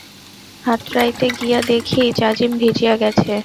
হাতড়াইতে গিয়া দেখি, জাজিম ভিজিয়া গেছে।